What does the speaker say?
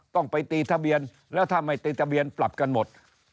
ต้องไปตีทะเบียนแล้วถ้าไม่ตีทะเบียนปรับกันหมด